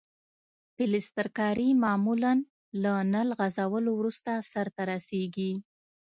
پلسترکاري معمولاً له نل غځولو وروسته سرته رسیږي.